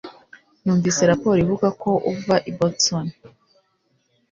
Numvise raporo ivuga ko uva i Boston.